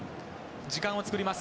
時間を作ります。